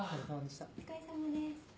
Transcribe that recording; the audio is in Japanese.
お疲れさまです。